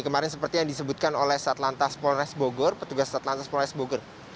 kemarin seperti yang disebutkan oleh petugas atlantas polres bogor